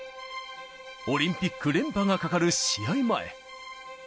オリンピック連覇がかかる試合前。